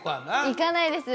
行かないです